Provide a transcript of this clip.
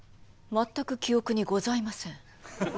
全く記憶にございません。